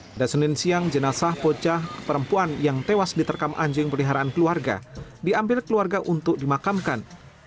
pada senin siang jenazah bocah perempuan yang tewas diterkam anjing peliharaan keluarga diambil keluarga untuk dimakamkan